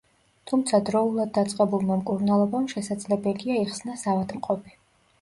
თუმცა დროულად დაწყებულმა მკურნალობამ შესაძლებელია იხსნას ავადმყოფი.